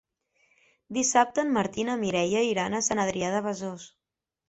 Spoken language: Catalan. Dissabte en Martí i na Mireia iran a Sant Adrià de Besòs.